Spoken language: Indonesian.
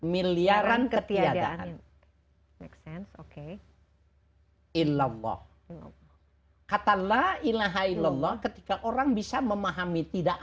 miliaran ketiadaan next oke ilallah katalah ilahaillallah ketika orang bisa memahami tidak